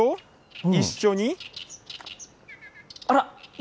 あら！